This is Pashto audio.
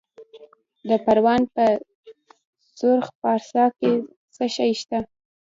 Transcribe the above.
د پروان په سرخ پارسا کې څه شی شته؟